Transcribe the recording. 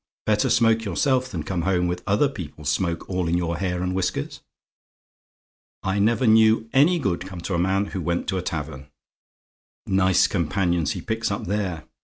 Better smoke yourself than come home with other people's smoke all in your hair and whiskers. "I never knew any good come to a man who went to a tavern. Nice companions he picks up there!